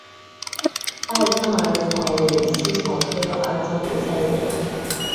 败酱耳草为茜草科耳草属下的一个种。